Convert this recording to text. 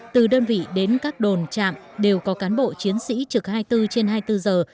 từ đơn vị đến các đồn trạm đều có cán bộ chiến sĩ trực hai mươi bốn trên hai mươi bốn giờ